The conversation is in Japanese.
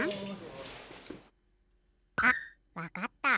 あっわかった。